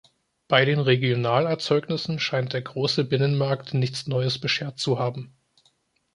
Bei den Regionalerzeugnissen scheint der große Binnenmarkt nichts neues beschert zu haben.